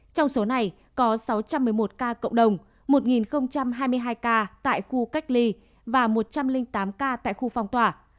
trong số này có sáu trăm một mươi một ca cộng đồng một hai mươi hai ca tại khu cách ly và một trăm linh tám ca tại khu phong tỏa